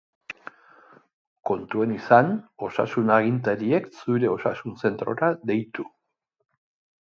Kontuan izan osasun agintariek zure osasun-zentrora deitu.